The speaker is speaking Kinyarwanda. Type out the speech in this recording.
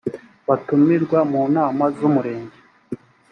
batumirwa mu nama z’umurenge .